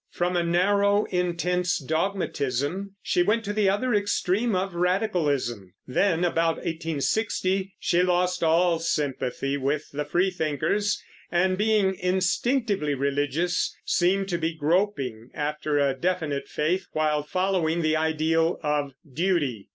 From a narrow, intense dogmatism, she went to the other extreme of radicalism; then (about 1860) she lost all sympathy with the freethinkers, and, being instinctively religious, seemed to be groping after a definite faith while following the ideal of duty.